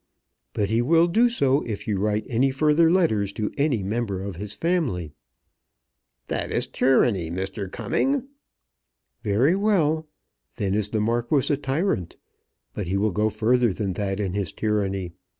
"But he will do so if you write any further letters to any member of his family." "That is tyranny, Mr. Cumming." "Very well. Then is the Marquis a tyrant. But he will go further than that in his tyranny.